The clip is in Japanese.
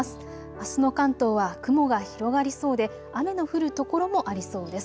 あすの関東は雲が広がりそうで雨の降る所もありそうです。